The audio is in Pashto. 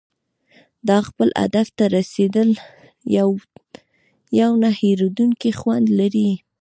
د خپل هدف ته رسېدل یو نه هېریدونکی خوند لري.